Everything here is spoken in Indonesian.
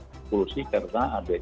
yang kedua ada polusi karena adanya suatu